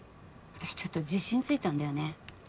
私ちょっと自信ついたんだよね